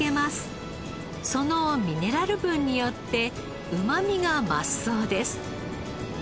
そのミネラル分によってうまみが増すそうです。